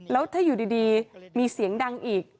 แล้วถ้าอยู่ดีมีเสียงดังอีก